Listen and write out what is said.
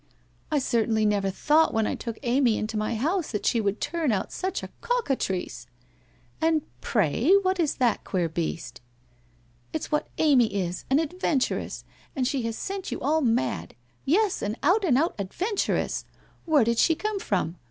I certainly never thought when I took Amy into my house that she would turn out such a cockatrice !'' And pray, what is that queer beast ?'' It's what Amy is, an adventuress. And she has sent you all mad. Yes, an out and out adventuress ! Where did she come from?